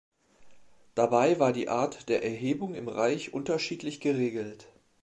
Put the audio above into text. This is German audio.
Dabei war die Art der Erhebung im Reich unterschiedlich geregelt.